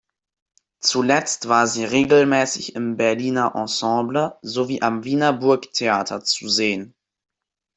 Zuletzt war sie regelmäßig im Berliner Ensemble sowie am Wiener Burgtheater zu sehen.